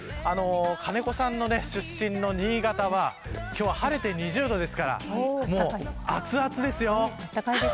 金子さんの出身の新潟は今日は晴れて２０度ですからもう、あつあつですよ。